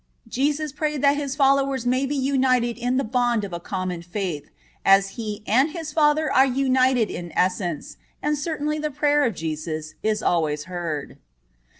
Jesus prayed that His followers may be united in the bond of a common faith, as He and His Father are united in essence, and certainly the prayer of Jesus is always heard.